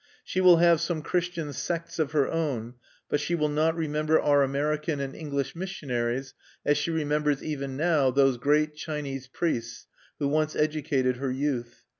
She will have some Christian sects of her own; but she will not remember our American and English missionaries as she remembers even now those great Chinese priests who once educated her youth.